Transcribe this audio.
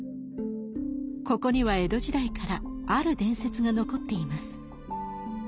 ここには江戸時代からある伝説が残っています。